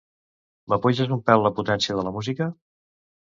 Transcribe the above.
M'apuges un pèl la potència de la música?